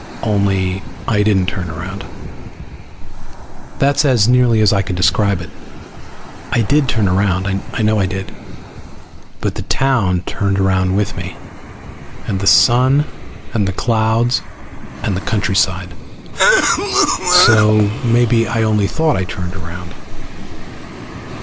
Only I didn't turn around. That's as nearly as I can describe it. I did turn around. I know I did. But the town turned around with me, and the sun and the clouds and the countryside. So maybe I only thought I turned around.